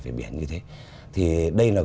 về biển như thế thì đây là